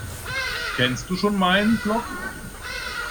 Kennst du schon mein Blog?